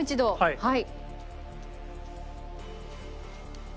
はい。